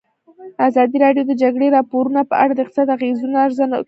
ازادي راډیو د د جګړې راپورونه په اړه د اقتصادي اغېزو ارزونه کړې.